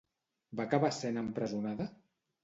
Va acabar sent empresonada?